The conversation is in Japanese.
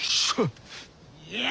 いや！